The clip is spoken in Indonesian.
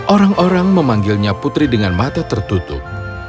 orang orang memanggilnya putri dengan mata tertutup